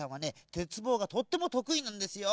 てつぼうがとってもとくいなんですよ。